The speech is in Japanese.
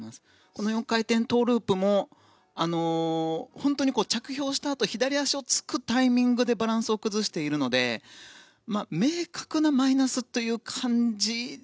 この４回転トウループも本当に着氷したあと左足をつくタイミングでバランスを崩しているので明確なマイナスという感じ。